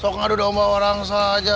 kok ngadu domba orang saja